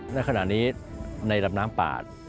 ในขณะนี้ในลำน้ำปาด